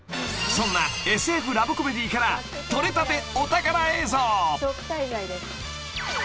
［そんなＳＦラブコメディーから撮れたてお宝映像］